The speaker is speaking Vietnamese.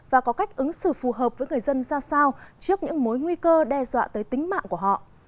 và có cách ứng xử phù hợp với người dân ra sao trước những mối nguy cơ đe dọa tới tính mạng của họ